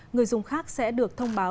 người dùng khác sẽ được thông báo